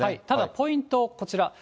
ただ、ポイント、こちら。